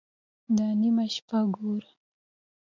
_دا نيمه شپه ګوره!